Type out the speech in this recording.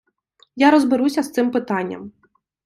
Я розберуся з цим питанням.